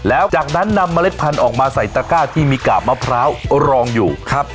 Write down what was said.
แล้วจากนั้นนำเมล็ดพันธุ์ออกมาใส่ตระก้าที่มีกาบมะพร้าวรองอยู่ครับ